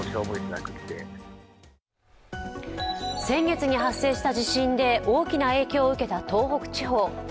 先月に発生した地震で大きな影響を受けた東北地方。